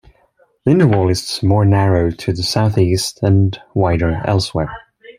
The inner wall is more narrow to the southeast and wider elsewhere.